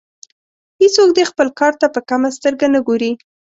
هیڅوک دې خپل کار ته په کمه سترګه نه ګوري.